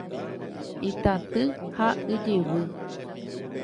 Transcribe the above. Itaty ha ijyvy.